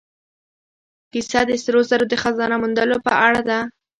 کیسه د سرو زرو د خزانه موندلو په اړه ده.